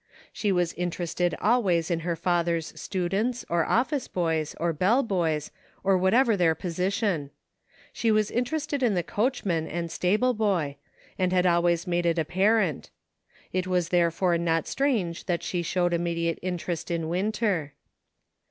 She was interested always in her father's students, or office boys, or bell boys, or whatever their position ; she was interested in the coach man and stable boy, and had always made it appar ent. It was therefore not strange that she showed immediate interest in Winter.